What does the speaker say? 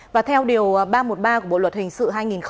và theo điều ba trăm một mươi ba của bộ luật hình sự hai nghìn một mươi năm